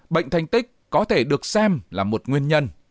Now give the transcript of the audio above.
bệnh thanh tích có thể được xem là một nguyên nhân